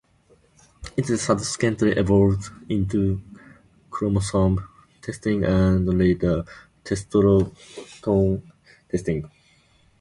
It subsequently evolved into chromosome testing, and later testosterone testing.